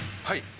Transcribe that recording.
はい。